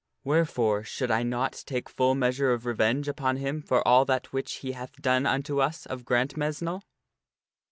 Wherefore should I not take full measure of revenge upon him for all that which he hath done unto us .of Grantmesnle